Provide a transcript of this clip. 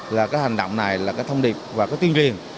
là cái hành động này là cái thông điệp và cái tuyên truyền